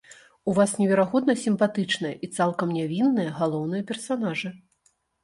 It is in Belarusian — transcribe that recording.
У вас неверагодна сімпатычныя і цалкам нявінныя галоўныя персанажы?